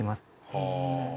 「へえ」